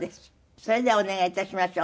それではお願いいたしましょう。